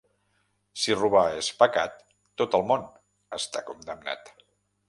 Si robar és pecat, tot el món està condemnat.